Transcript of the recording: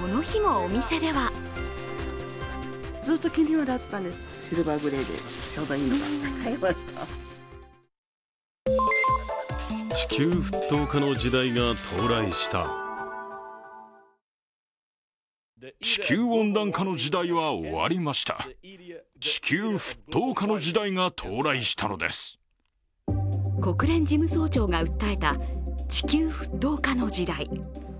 この日も、お店では国連事務総長が訴えた地球沸騰化の時代。